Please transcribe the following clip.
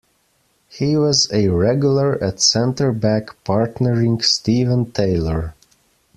He was a regular at centre back, partnering Steven Taylor.